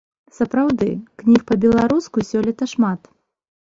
Сапраўды, кніг па-беларуску сёлета шмат.